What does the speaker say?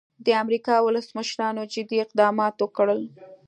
د امریکا ولسمشرانو جدي اقدامات وکړل.